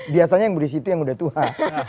biasanya yang berisi itu yang udah tuhan